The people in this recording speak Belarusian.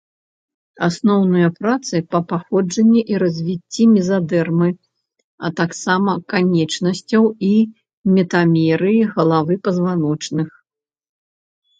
Асноўныя працы па паходжанні і развіцці мезадэрмы, а таксама канечнасцяў і метамерыі галавы пазваночных.